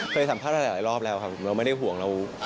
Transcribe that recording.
สัมภาษณ์มาหลายรอบแล้วครับเราไม่ได้ห่วงเรา